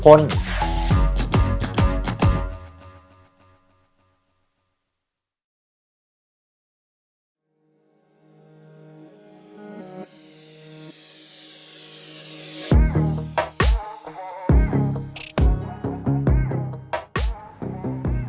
บริเวณความเชื่อมสามารถ